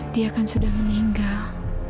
dia kan sudah meninggal